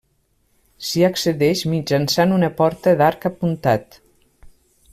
S'hi accedeix mitjançant una porta d'arc apuntat.